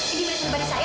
ini milik pribadi saya